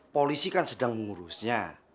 polisi kan sedang mengurusnya